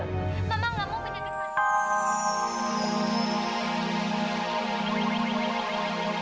sari kata dari sdi media